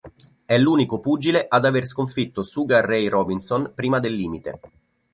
È l'unico pugile ad aver sconfitto Sugar Ray Robinson prima del limite.